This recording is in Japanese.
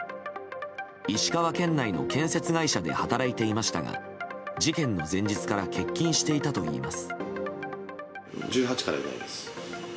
石川県内の建設会社で働いていましたが事件の前日から欠勤していたといいます。